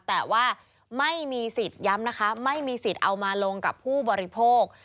แต่ว่าไม่มีสิทธิ์ย้ำนะคะไม่มีสิทธิ์เอามาลงกับผู้บริโภค